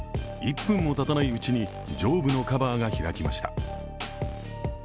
１分もたたないうちに上部のカバーが開きました。